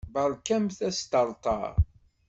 Berkamt asṭerṭer!